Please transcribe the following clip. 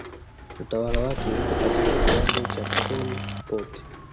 Utawala wake upo katika kiwango cha Pol Pot